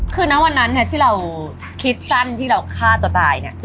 คือณวันนั้นเนี่ยที่เราคิดสั้นที่เราฆ่าตัวตายเนี่ย